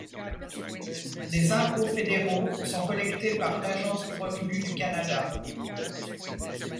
Les impôts fédéraux sont collectés par l'Agence du revenu du Canada.